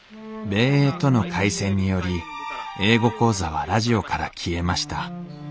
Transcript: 米英との開戦により「英語講座」はラジオから消えました。